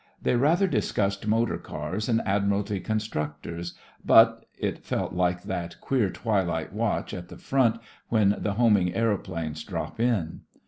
They rather discussed motor cars and Admiralty constructors, but — it felt like that queer twilight watch at the front when the homing aeroplanes drop in.